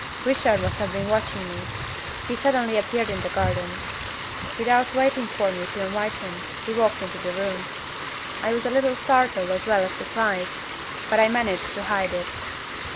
"Richard must have been watching me. He suddenly appeared in the garden. Without waiting for me to invite him, he walked into the room. I was a little startled as well as surprised, but I managed to hide it.